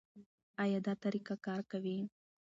ایا دا طریقه کار کوي؟